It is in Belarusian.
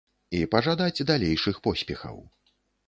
І пажадаць далейшых поспехаў!